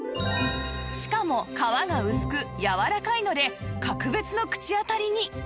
しかも皮が薄くやわらかいので格別の口当たりに